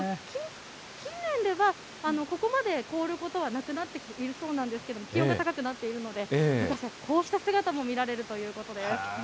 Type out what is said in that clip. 近年ではここまで凍ることはなくなっているそうなんですけれども、気温が高くなっているので、こうした姿も見られるということです。